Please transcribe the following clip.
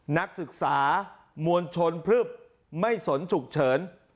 นักศึกษามวลชนพลึบไม่สนฉุกเฉิน